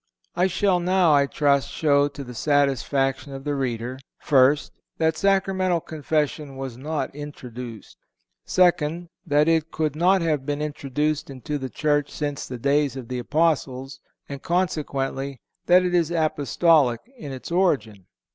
I shall now, I trust, show to the satisfaction of the reader: First—That Sacramental Confession was not introduced. Second—That it could not have been introduced into the Church since the days of the Apostles, and consequently that it is Apostolic in its origin.